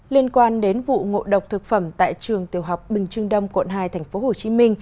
liên quan đến vụ ngộ độc thực phẩm tại trường tiểu học bình trương đông quận hai tp hcm